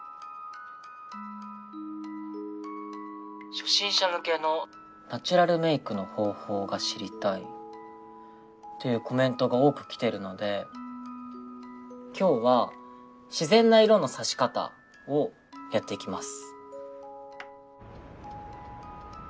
「初心者向けのナチュラルメイクの方法が知りたい」というコメントが多く来てるので今日は自然な色のさし方をやっていきます。